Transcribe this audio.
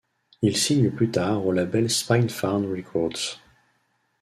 Ils signent plus tard au label Spinefarm Records.